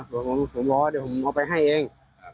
ผมบอกว่าเดี๋ยวผมเอาไปให้เอง